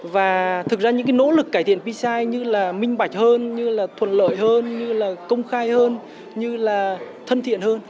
và thực ra những cái nỗ lực cải thiện pci như là minh bạch hơn như là thuận lợi hơn như là công khai hơn như là thân thiện hơn